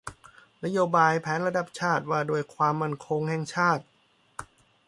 นโยบายแผนระดับชาติว่าด้วยความมั่นคงแห่งชาติ